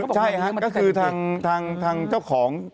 ใช่ครับก็คือทางเจ้าของ